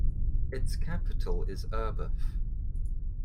Its capital is Urbeth.